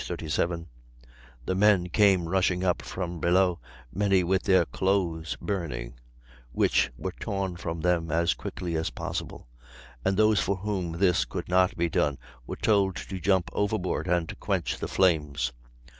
37: "The men came rushing up from below, many with their clothes burning, which were torn from them as quickly as possible, and those for whom this could not be done were told to jump overboard and quench the flames.